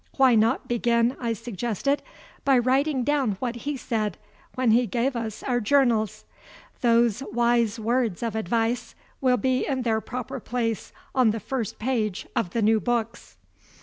"Why not begin," I suggested, "by writing down what he said, when he gave us our journals? Those wise words of advice will be in their proper place on the first page of the new books."